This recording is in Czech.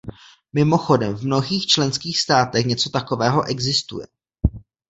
Mimochodem, v mnohých členských státech něco takového existuje.